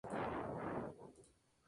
La entrada fue liberada.